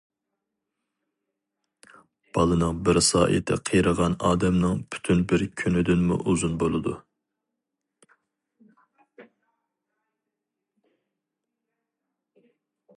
بالىنىڭ بىر سائىتى قېرىغان ئادەمنىڭ پۈتۈن بىر كۈنىدىنمۇ ئۇزۇن بولىدۇ.